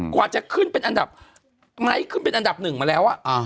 กว่าจะขึ้นเป็นอันดับไนท์ขึ้นเป็นอันดับหนึ่งมาแล้ว